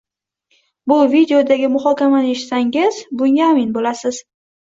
Bu videodagi muhokamani eshitsangiz, bunga amin bo‘lasiz.